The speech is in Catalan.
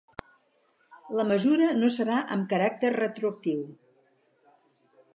La mesura no serà amb caràcter retroactiu